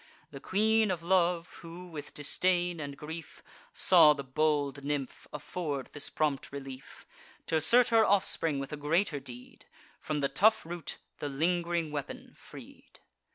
The Queen of Love, who, with disdain and grief, Saw the bold nymph afford this prompt relief, T' assert her offspring with a greater deed, From the tough root the ling'ring weapon freed.